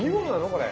これ。